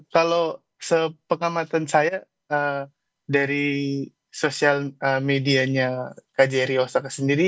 kalau sepengamatan saya dari sosial medianya kjri osaka sendiri